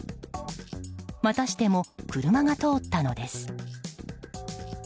またしても車が通ったのです。